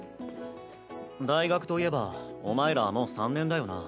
大学といえばお前らもう３年だよな。